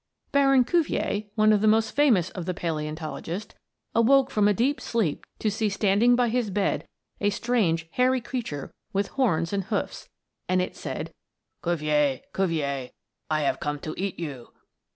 Baron Cuvier, one of the most famous of the paleontologists, awoke from a deep sleep to see standing by his bed a strange, hairy creature with horns and hoofs. And it said: "Cuvier! Cuvier! I have come to eat you!"